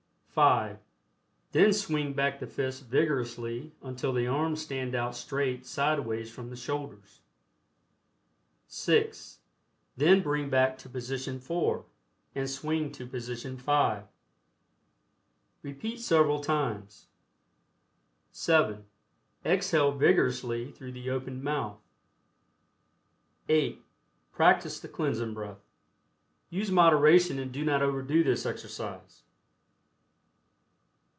(5) Then swing back the fists vigorously until the arms stand out straight sideways from the shoulders. (6) Then bring back to Position 4, and swing to Position 5. Repeat several times. (7) Exhale vigorously through the opened mouth. (8) Practice the Cleansing Breath. Use moderation and do not overdo this exercise.